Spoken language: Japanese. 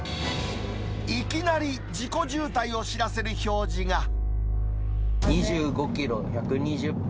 いきなり事故渋滞を知らせる２５キロ１２０分。